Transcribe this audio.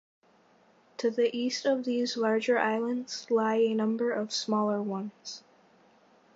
To the east of these larger islands lie a number of smaller ones.